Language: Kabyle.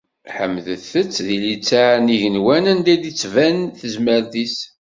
Ḥemdet- t di litteɛ n yigenwan anda i d-tettban tezmert-is!